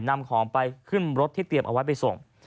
นำของไปขึ้นรถที่เตรียมเอาไว้ไปส่ง